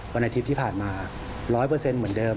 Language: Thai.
วันอาทิตย์ที่ผ่านมาร้อยเปอร์เซ็นต์เหมือนเดิม